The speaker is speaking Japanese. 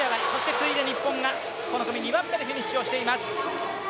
次いで日本がこの組２番目でフィニッシュしています。